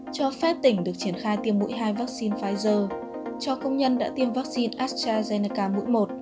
cho phép tỉnh được triển khai tiêm mũi hai vaccine pfizer cho công nhân đã tiêm vaccine astrazeneca mũi một